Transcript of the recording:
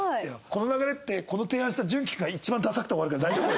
この流れってこの提案した純喜君が一番ダサくて終わるけど大丈夫？